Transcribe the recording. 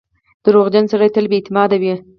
• دروغجن سړی تل بې اعتماده وي.